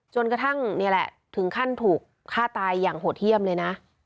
จนกระทั่งนี่แหละถึงขั้นถูกฆ่าตายอย่างโหดเยี่ยมเลยนะ